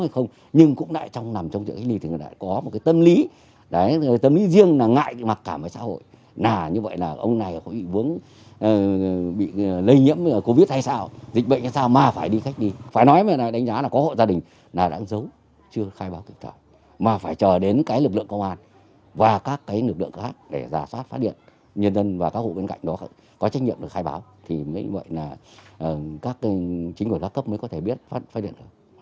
thì mới như vậy là các chính của gia cấp mới có thể biết phát điện